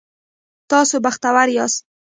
تاسو بختور یاست